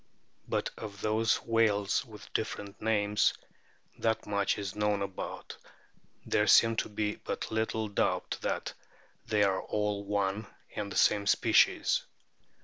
But of those whales with different names that much is known about, there seems to be but little doubt that they are all one and the same species.